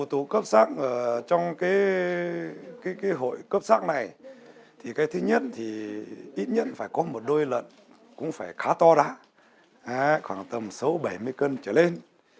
trong cái hội cấp sắc này thì cái thứ nhất thì ít nhất phải có một đôi lận cũng phải khá to đã khoảng tầm số bảy mươi cân trở lên